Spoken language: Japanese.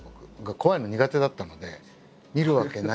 怖いの苦手だったので見るわけないし。